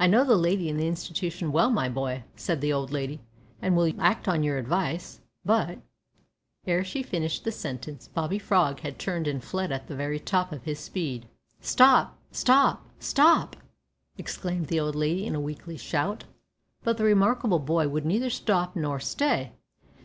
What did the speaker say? "I know the lady and the Institution well, my boy," said the old lady, "and will act on your advice, but " Ere she finished the sentence Bobby Frog had turned and fled at the very top of his speed. "Stop! stop! stop!" exclaimed the old lady in a weakly shout. But the "remarkable boy" would neither stop nor stay.